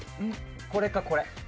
これかこれ。